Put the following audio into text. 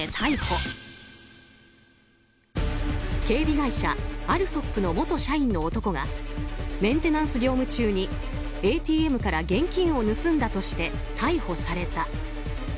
警備会社ＡＬＳＯＫの元社員の男がメンテナンス業務中にＡＴＭから現金を盗んだとして逮捕された。